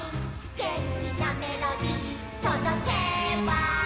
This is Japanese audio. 「げんきなメロディとどけば」